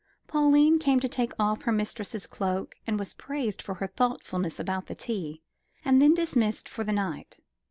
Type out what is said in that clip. Pauline came to take off her mistress's cloak, and was praised for her thoughtfulness about the tea, and then dismissed for the night.